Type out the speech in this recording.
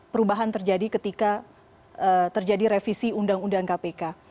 perubahan terjadi ketika terjadi revisi undang undang kpk